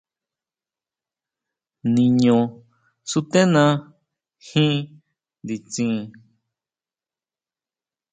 Niño suténa jin nditsin.